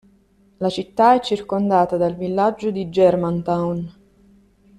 La città è circondata dal villaggio di Germantown.